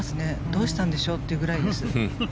どうしたんでしょうというぐらいです。